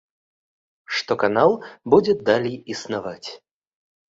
Што канал будзе далей існаваць.